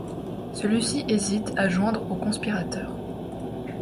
Celui-ci hésite à joindre aux conspirateurs.